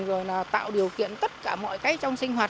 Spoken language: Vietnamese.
rồi là tạo điều kiện tất cả mọi cái trong sinh hoạt